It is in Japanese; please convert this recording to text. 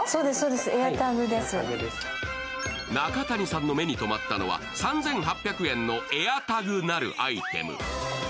中谷さんの目にとまったのは３８００円のエアタグなるアイテム。